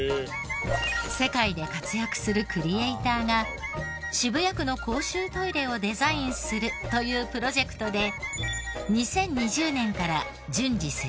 世界で活躍するクリエイターが渋谷区の公衆トイレをデザインするというプロジェクトで。